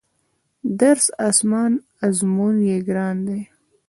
درس اسان ازمون يې ګران دی